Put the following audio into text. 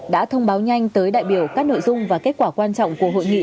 đã thông báo nhanh tới đại biểu các nội dung và kết quả quan trọng của hội nghị